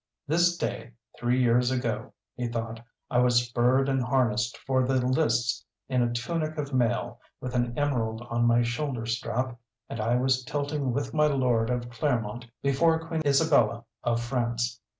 "This day three years ago," he thought, "I was spurred and harnessed for the lists in a tunic of mail, with an emerald on my shoulder strap, and I was tilting with my lord of Cleremont before Queen Isabella of France.